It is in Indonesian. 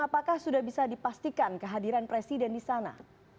apakah sudah bisa dipastikan kehadiran presiden di sana